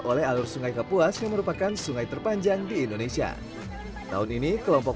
oleh alur sungai kapuas yang merupakan sungai terpanjang di indonesia tahun ini kelompok